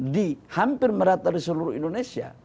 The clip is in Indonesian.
di hampir merata di seluruh indonesia